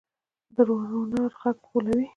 د روڼا ږغ بلوي